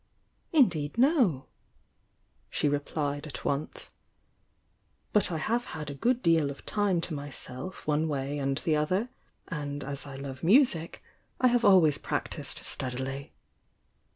"Indeed no!" she replied at once. "But I have had a good deal of time to myself one way and the other, and as I love music, I have always practised steadily."